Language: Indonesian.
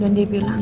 dan dia bilang